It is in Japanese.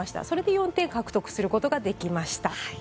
それで４点獲得することができました。